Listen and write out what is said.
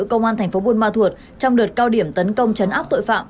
công an tp buôn ma thuột trong đợt cao điểm tấn công chấn áp tội phạm